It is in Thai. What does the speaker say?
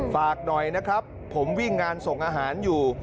ฝากหน่อยนะครับผมวิ่งงานส่งอาหารอยู่